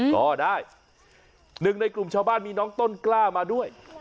ก็ได้หนึ่งในกลุ่มชาวบ้านมีน้องต้นกล้ามาด้วย